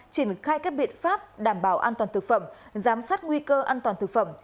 triển khai các biện pháp đảm bảo an toàn thực phẩm giám sát nguy cơ an toàn thực phẩm